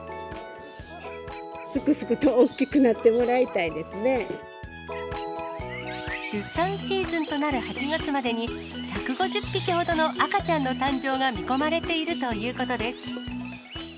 すくすくと大きくなってもら出産シーズンとなる８月までに、１５０匹ほどの赤ちゃんの誕生が見込まれているということです。